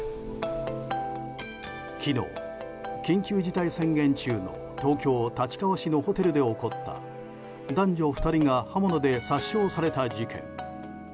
昨日、緊急事態宣言中の東京・立川市のホテルで起こった男女２人が刃物で殺傷された事件。